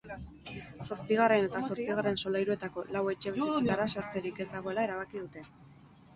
Zazpigarren eta zortzigarren solairuetako lau etxebizitzatara sartzerik ez dagoela erabaki dute.